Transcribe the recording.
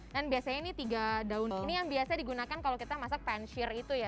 dan biasanya ini tiga daun ini yang biasa digunakan kalau kita masak pensil itu ya